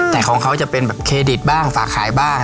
แต่ของเขาจะเป็นแบบเครดิตบ้างฝากขายบ้าง